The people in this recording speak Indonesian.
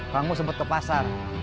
kang mus sempat ke pasar